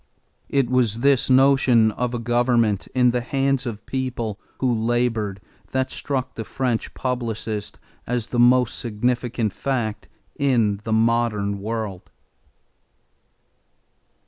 It was this notion of a government in the hands of people who labored that struck the French publicist as the most significant fact in the modern world.